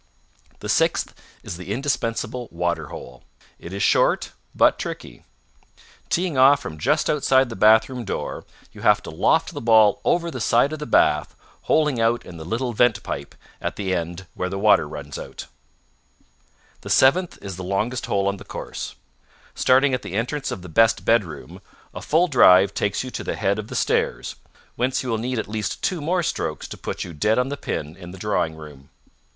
The sixth is the indispensable water hole. It is short, but tricky. Teeing off from just outside the bathroom door, you have to loft the ball over the side of the bath, holing out in the little vent pipe, at the end where the water runs out. The seventh is the longest hole on the course. Starting at the entrance of the best bedroom, a full drive takes you to the head of the stairs, whence you will need at least two more strokes to put you dead on the pin in the drawing room.